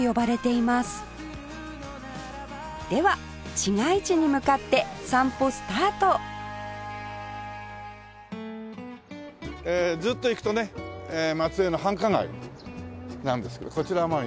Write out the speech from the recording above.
では市街地に向かって散歩スタートえーずっと行くとね松江の繁華街なんですけどこちらまあ